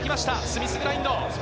スミスグラインド。